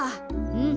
うん。